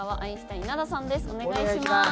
お願いします。